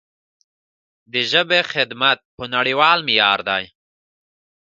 د ژبې خدمت په نړیوال معیار دی.